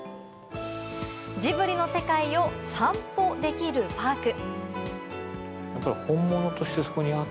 ジブリの世界をさんぽできるパーク。